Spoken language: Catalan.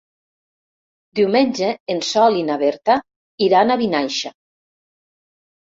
Diumenge en Sol i na Berta iran a Vinaixa.